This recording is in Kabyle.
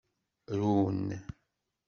Run.